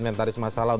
sampai jumpa lagi